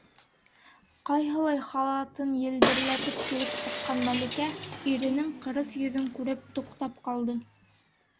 - Ҡайһылай, - халатын елберләтеп килеп сыҡҡан Мәликә, иренең ҡырыҫ йөҙөн күреп, туҡтап ҡалды.